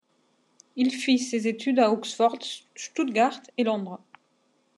Il fit ses études à Oxford, Stuttgart et Londres.